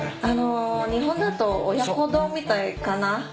あの日本だと親子丼みたいかな。